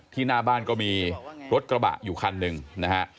หน้าบ้านก็มีรถกระบะอยู่คันหนึ่งนะฮะ